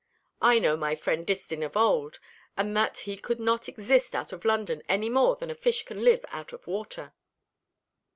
I know my friend Distin of old, and that he could not exist out of London any more than a fish can live out of water."